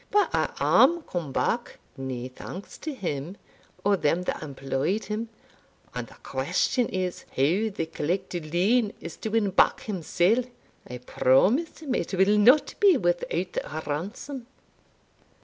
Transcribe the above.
But I am come back, nae thanks to him, or them that employed him; and the question is, how the collector loon is to win back himsell I promise him it will not be without a ransom."